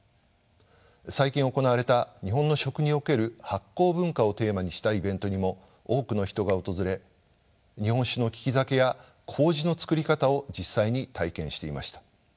最近行われた「日本の食における発酵文化」をテーマにしたイベントにも多くの人が訪れ日本酒の利き酒や麹の作り方を実際に体験していました。